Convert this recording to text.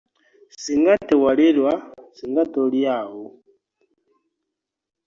Ssinga tewalerwa ssinga toli awo.